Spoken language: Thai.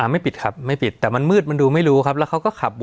ไม่ปิดครับไม่ปิดแต่มันมืดมันดูไม่รู้ครับ